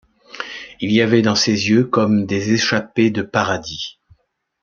Il y avait dans ses yeux comme des échappées de paradis.